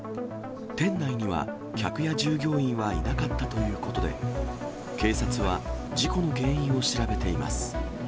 店内には客や従業員はいなかったということで、警察は、事故の原因を調べています。